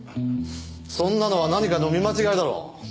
そんなのは何かの見間違いだろう。